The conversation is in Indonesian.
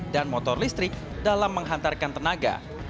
dan motor listrik dalam menghantarkan tenaga